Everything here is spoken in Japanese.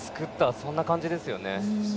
そんな感じですよね。